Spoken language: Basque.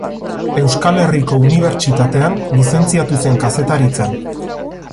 Euskal Herriko Unibertsitatean lizentziatu zen kazetaritzan.